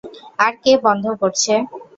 আরে কে বন্ধ করছে?